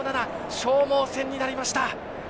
消耗戦になりました。